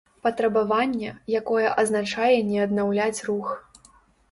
Патрабаванне, якое азначае не аднаўляць рух